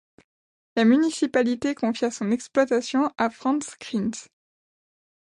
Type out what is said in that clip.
La municipalité confia son exploitation à Frans Crijns.